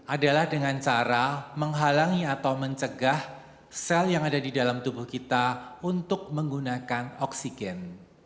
adalah dengan cara menghalangi atau mencegah sel yang ada di dalam tubuh kita untuk menggunakan oksigen